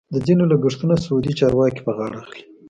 د ځینو لګښتونه سعودي چارواکي په غاړه اخلي.